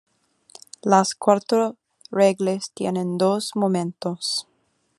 Las cuatro reglas tienen dos momentos.